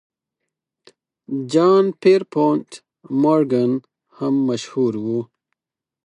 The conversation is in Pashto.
جان پیرپونټ مورګان هم مشهور و.